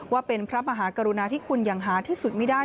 ว่าเป็นพระมหากรุณาที่คุณอย่างหาที่สุดไม่ได้